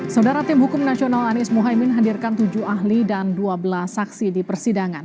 saudara tim hukum nasional anies mohaimin hadirkan tujuh ahli dan dua belas saksi di persidangan